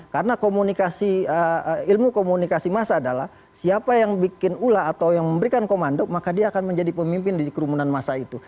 karena ilmu komunikasi masa adalah siapa yang bikin ulah atau yang memberikan komando maka dia akan menjadi pemimpin di kerumunan masa itu